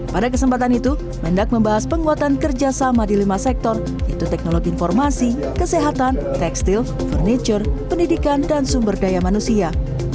pada kesempatan itu mendak membahas penguatan kerjasama di lima sektor yaitu teknologi informasi kesehatan tekstil furniture pendidikan dan sumber daya manusia